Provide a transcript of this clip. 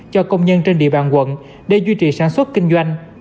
cho công nhân trên địa bàn quận để duy trì sản xuất kinh doanh